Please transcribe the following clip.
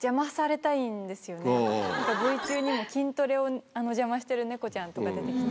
ＶＴＲ中にも筋トレを邪魔してるネコちゃんとか出て来て。